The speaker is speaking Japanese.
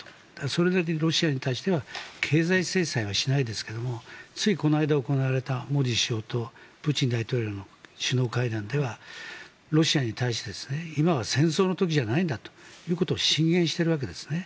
それだけロシアに対しては経済制裁はしないですがついこの間行われたモディ首相とプーチン大統領の首脳会談では、ロシアに対して今は戦争の時じゃないんだということを進言しているわけですね。